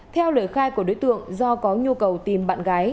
theo lời khai của đối tượng do có nhu cầu tìm bạn gái